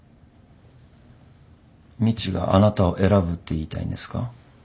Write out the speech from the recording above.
みちがあなたを選ぶって言いたいんですか？